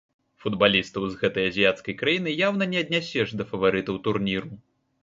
Футбалістаў з гэтай азіяцкай краіны яўна не аднясеш да фаварытаў турніру.